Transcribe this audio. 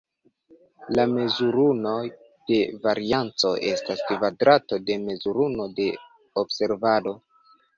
La mezurunuo de varianco estas kvadrato de mezurunuo de observado.